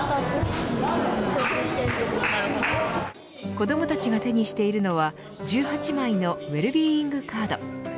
子どもたちが手にしているのは１８枚のウェルビーイングカード。